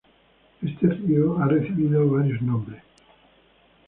Este río ha recibido varios nombres.